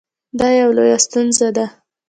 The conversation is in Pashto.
دا یوه لویه ستونزه ده